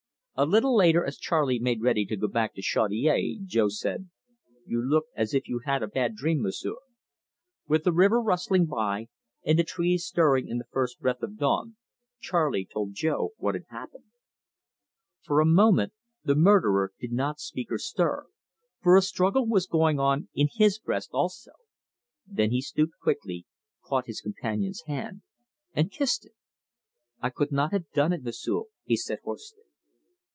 A little later, as Charley made ready to go back to Chaudiere, Jo said: "You look as if you'd had a black dream, M'sieu'." With the river rustling by, and the trees stirring in the first breath of dawn, Charley told Jo what had happened. For a moment the murderer did not speak or stir, for a struggle was going on in his breast also; then he stooped quickly, caught his companion's hand, and kissed it. "I could not have done it, M'sieu'," he said hoarsely.